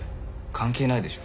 関係ないでしょ。